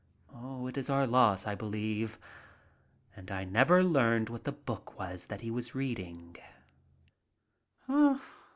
It is our loss, I believe. And I never learned what the book was that he was reading.